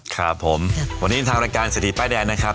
ครับผมวันนี้เป็นทางรายการสถิติป้ายแดนนะครับ